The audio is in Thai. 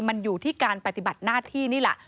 มันอยู่ที่การปฏิบัติหน้าที่นี่แหละ